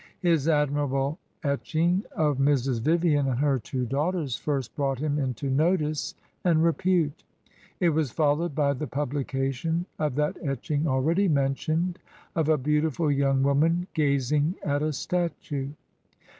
His admirable etch ing of Mrs. Vivian and her two daughters first brought him into notice and repute : it was followed by the publication of that etching already mentioned of a beautiful young woman gazing at a statue.